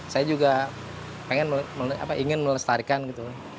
saya juga pengen melestarikan gitu